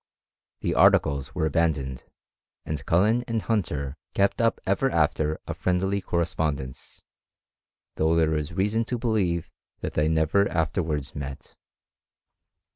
Hie ardcies voe aban doned, and Cullen and Himter kept up ever after a Iriendly oorrespcMidence ; though thete is reason to believe that thev nerer afterwards met.